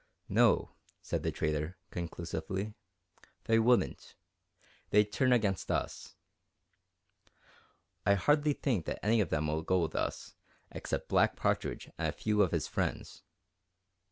"No," said the trader, conclusively, "they wouldn't. They'd turn against us." "I hardly think that any of them will go with us, except Black Partridge and a few of his friends.